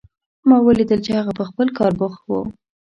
ما ولیدل چې هغه په خپل کار بوخت و